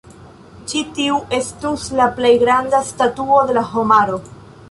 Ĉi-tiu estus la plej granda statuo de la homaro.